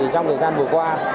trong thời gian vừa qua